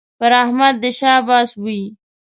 پر احمد دې شاباس وي